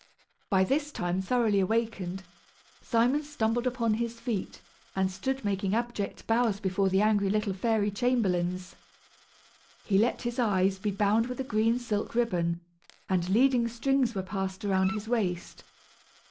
By this time thoroughly awakened, Simon stumbled upon his feet, and stood making abject bows before the angry little fairy chamberlains. He let his eyes be bound with a green silk ribbon, and leading strings were passed around his waist.